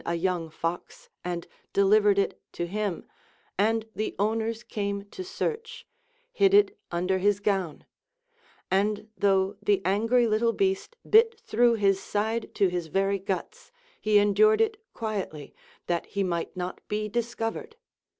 a young fox and delivered it to him, and the owners came to search, hid it under his gown ; and though the angry little beast bit through his side to his very guts, he en dured it quietly, that he might not be discovered.